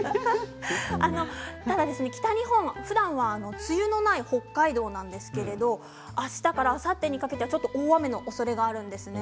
ただ、北日本はふだん梅雨のない北海道なんですがあしたからあさってにかけて大雨のおそれがあります。